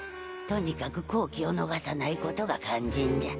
とにかく好機を逃さないことが肝心じゃ。